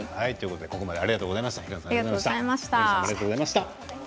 ここまで平野さんありがとうございました。